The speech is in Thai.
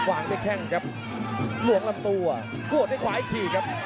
กระโดยสิ้งเล็กนี่ออกกันขาสันเหมือนกันครับ